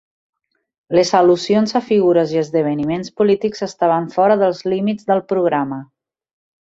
Les al·lusions a figures i esdeveniments polítics estaven fora dels límits del programa.